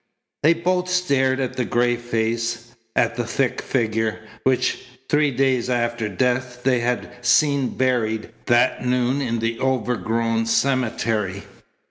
They both stared at the gray face, at the thick figure, which, three days after death, they had seen buried that noon in the overgrown cemetery.